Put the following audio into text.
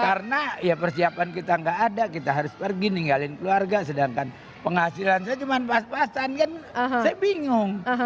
karena ya persiapan kita nggak ada kita harus pergi ninggalin keluarga sedangkan penghasilan saya cuma pas pasan kan saya bingung